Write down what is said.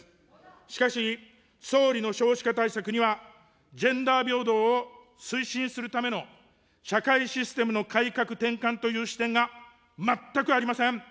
しかし、総理の少子化対策には、ジェンダー平等を推進するための、社会システムの改革、転換という視点が全くありません。